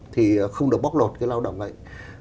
thì không được bóc lột cái lao động ấy